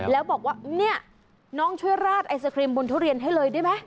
แล้วบอกว่าเนี่ยน้องช่วยราดไอศครีมบนทุเรียนให้เลยได้ไหม